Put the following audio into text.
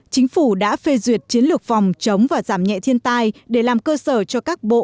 chính phủ đã phê duyệt chiến lược phòng chống và giảm nhẹ thiên tai để làm cơ sở cho các bộ